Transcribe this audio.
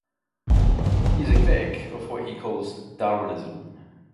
He is a critic of what he calls "Darwinism".